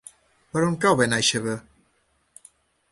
Per on cau Benaixeve?